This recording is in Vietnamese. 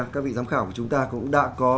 các vị giám khảo của chúng ta cũng đã có